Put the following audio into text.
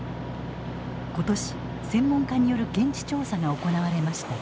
今年専門家による現地調査が行われました。